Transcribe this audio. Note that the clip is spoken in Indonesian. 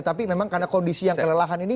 tapi memang karena kondisi yang kelelahan ini